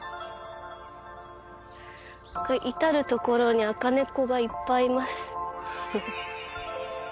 至る所に赤猫がいっぱいいます。